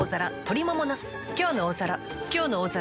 「きょうの大皿」